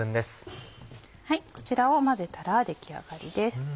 こちらを混ぜたら出来上がりです。